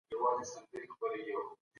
سياسي او اجتماعي پيغام لري.